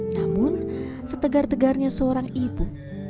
namun setegar tegarnya seorang ibu